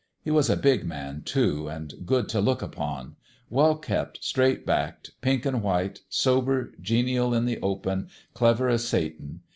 He was a big man, too, an' good t' look upon : well kept, straight backed, pink an' white, sober, genial in the open, clever as Satan.